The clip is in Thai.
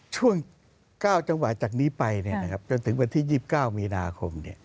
ช่วง๙จังหวะจากนี้ไปจนถึงวันที่๒๙มีนาคม